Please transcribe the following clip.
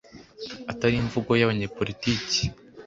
atari imvugo y’abanyepolitiki